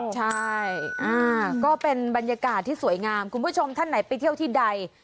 ใช่ก็เป็นบรรยากาศที่สวยงามคุณผู้ชมท่านไหนไปเที่ยวที่ใด